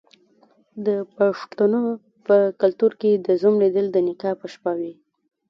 د پښتنو په کلتور کې د زوم لیدل د نکاح په شپه وي.